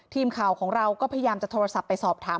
ทีมข่าวของเราก็พยายามจะโทรศัพท์ไปสอบถาม